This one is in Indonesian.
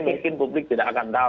mungkin publik tidak akan tahu